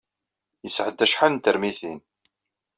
Yesɛedda acḥal n termitin.